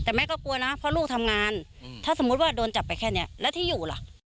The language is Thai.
แต่แม่ก็กลัวนะเพราะลูกทำงานถ้าสมมุติว่าโดนจับไปแค่นี้แล้วที่อยู่ล่ะ